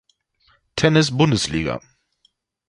Tennis Bundesliga.